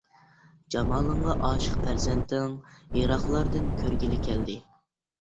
جامالىڭغا ئاشىق پەرزەنتىڭ، يىراقلاردىن كۆرگىلى كەلدى.